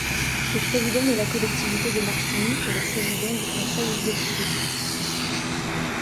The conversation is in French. Le président de la collectivité de Martinique est le président du conseil exécutif.